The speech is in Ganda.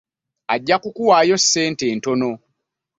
Ajja kukuwaayo ssente ntono.